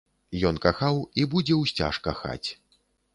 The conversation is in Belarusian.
Ён кахаў і будзе ўсцяж кахаць.